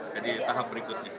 jadi tahap berikutnya